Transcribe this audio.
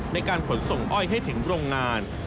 ในการขนส่งอ้อยให้ถึงโรงงาน